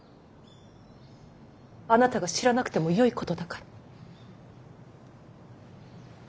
あなたが知らなくてもよいことだから。